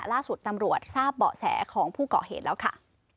ล่าสุดตำรวจทราบเบาะแสของผู้เกาะเหตุแล้วค่ะ